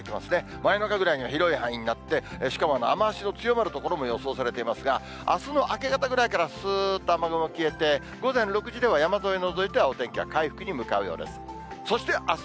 真夜中ぐらいには広い範囲になって、しかも雨足の強まる所も予想されていますが、あすの明け方ぐらいからすーっと雨雲消えて、午前６時では山沿い除いて、お天気は回復に向かうようです。